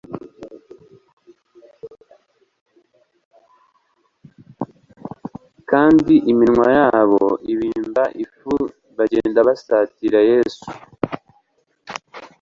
kandi iminwa yabo ibimba ifiuo, bagenda basatira Yesu,